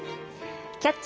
「キャッチ！